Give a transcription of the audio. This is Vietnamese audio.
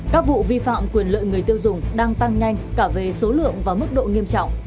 các vụ vi phạm quyền lợi người tiêu dùng đang tăng nhanh cả về số lượng và mức độ nghiêm trọng